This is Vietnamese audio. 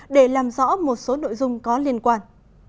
để làm rõ một số nội dung có liên quan